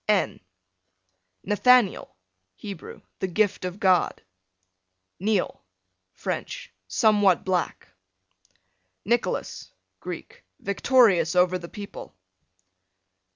N Nathaniel, Hebrew, the gift of God. Neal, French, somewhat black. Nicholas, Greek, victorious over the people.